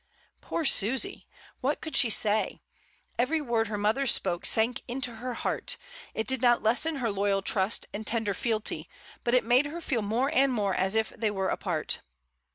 Poor Susy ! what could she say? Every word her mother spoke sank into her heart; it did not lessen her loyal trust and tender fealty, but it made her feel more and more as if they were apart.